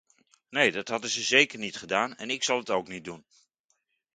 Nee, dat hadden ze zeker niet gedaan, en ik zal het ook niet doen.